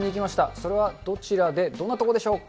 それはどちらで、どんな所でしょうか？